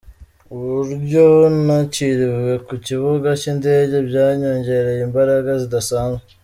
Uburyo nakiriwe ku kibuga cy’indege byanyongereye imbaraga zidasanzwe.